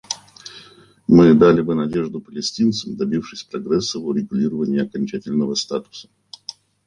Мы дали бы надежду палестинцам, добившись прогресса в урегулирования окончательного статуса.